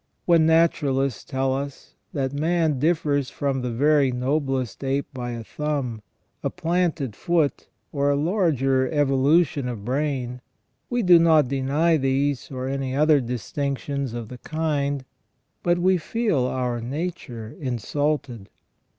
When naturalists tell us that man differs from the very noblest ape by a thumb, a planted foot, or a larger convolution of brain, we do not deny these or any other distinctions of the kind ; but we feel our nature insulted.